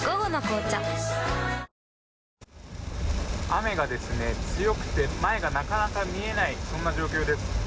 雨が強くて前がなかなか見えない状況です。